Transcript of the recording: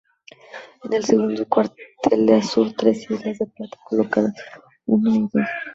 En el segundo cuartel, de azur, tres islas de plata colocadas una y dos.